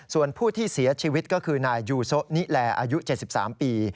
ส่วนผู้ที่เสียชีวิตก็คือนายยูโซะนิแลอายุ๗๓ปี